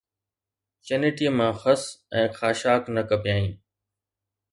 چنيٽيءَ مان خس ۽ خاشاڪ نه ڪپيائين